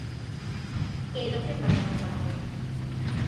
Que he de fer per reservar-lo?